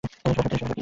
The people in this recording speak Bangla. সেটা সত্যি নয়।